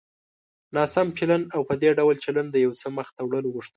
ناسم چلند او په دې ډول چلند د يو څه مخته وړلو غوښتنه.